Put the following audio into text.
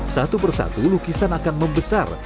satu persatu lukisan akan membesar